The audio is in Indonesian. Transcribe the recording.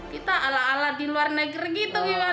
kita ala ala di luar negeri gitu gimana